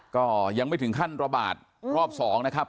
ก็ยังไม่ถึงขั้นระบาดรอบ๒นะครับ